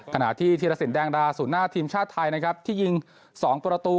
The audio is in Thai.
ขณะที่ธีรสินแดงดาศูนย์หน้าทีมชาติไทยนะครับที่ยิง๒ประตู